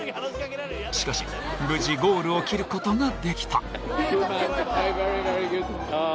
しかし、無事ゴールを切ることができた。